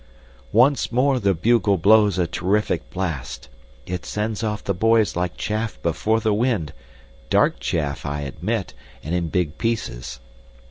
Once more the bugle blows a terrific blast. It sends off the boys like chaff before the wind dark chaff I admit, and in big pieces.